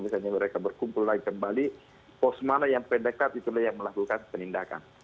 misalnya mereka berkumpul lagi kembali pos mana yang pendekat itulah yang melakukan penindakan